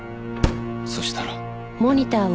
そしたら。